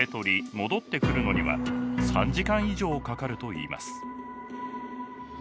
戻ってくるのには３時間以上かかるといいます。